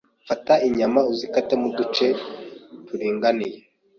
Fata inyama uzikatemo uduce turinganiye